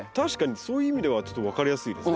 そういう意味ではちょっと分かりやすいですね。